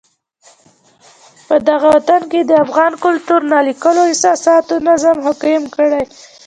پدغه وطن کې د افغان کلتور نا لیکلو اساساتو نظم حاکم کړی.